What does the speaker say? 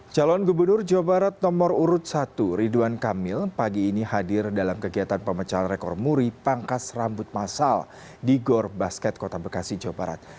calon gubernur jawa barat nomor urut satu ridwan kamil pagi ini hadir dalam kegiatan pemecahan rekor muri pangkas rambut masal di gor basket kota bekasi jawa barat